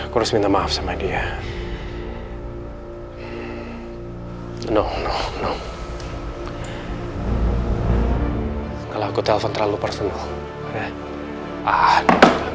kalau aku telpon terlalu personal